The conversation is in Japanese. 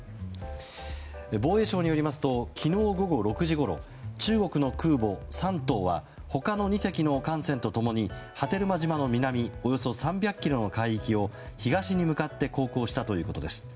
防衛省によりますと昨日午後６時ごろ中国の空母「山東」は他の２隻の艦船と共に波照間島の南およそ３００ｋｍの海域を東に向かって航行したということです。